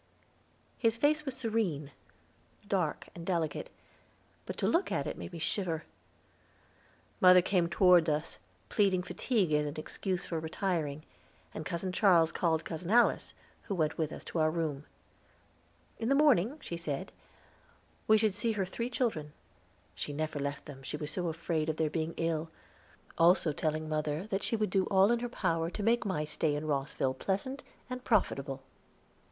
His face was serene, dark, and delicate, but to look at it made me shiver. Mother came toward us, pleading fatigue as an excuse for retiring, and Cousin Charles called Cousin Alice, who went with us to our room. In the morning, she said, we should see her three children. She never left them, she was so afraid of their being ill, also telling mother that she would do all in her power to make my stay in Rosville pleasant and profitable.